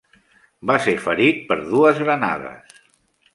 Va ser ferit per dues granades.